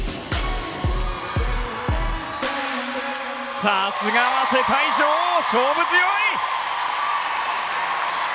さすがは世界女王勝負強い！